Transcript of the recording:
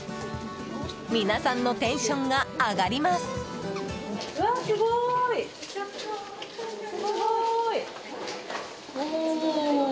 皆さんのテンションが上がります。